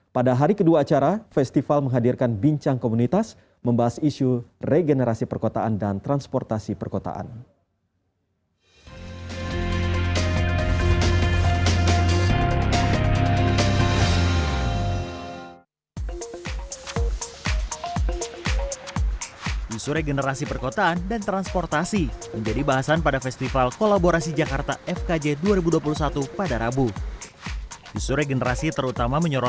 pada hari kedua acara festival menghadirkan bincang komunitas membahas isu regenerasi perkotaan dan transportasi perkotaan